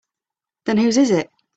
Then whose is it?